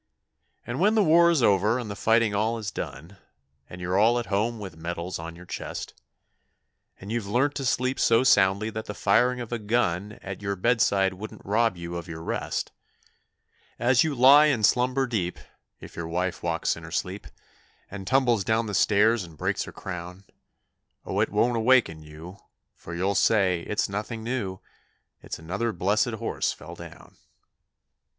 And when the war is over and the fighting all is done, And you're all at home with medals on your chest, And you've learnt to sleep so soundly that the firing of a gun At your bedside wouldn't rob you of your rest; As you lie in slumber deep, if your wife walks in her sleep, And tumbles down the stairs and breaks her crown, Oh, it won't awaken you, for you'll say, 'It's nothing new, It's another blessed horse fell down.'